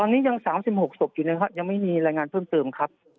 ตอนนี้ยัง๓๖ศพอยู่นะครับยังไม่มีรายงานเพิ่มเติมครับ